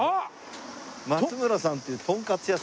松村さんっていうとんかつ屋さんに。